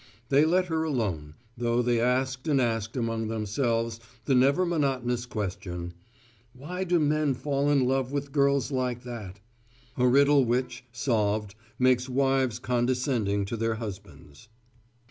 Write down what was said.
They let her alone, though they asked and asked among themselves the never monotonous question: "Why do men fall in love with girls like that?" a riddle which, solved, makes wives condescending to their husbands.